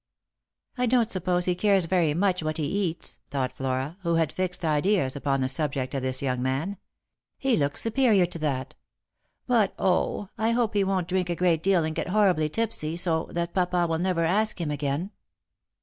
" I don't suppose he cares very much what he eats," thought Flora, who had fixed ideas upon the subject of this young man. " He looks superior to that. But, 0, I hope he won't drink a great deal and get horribly tipsy, so_ that papa will never ask him again."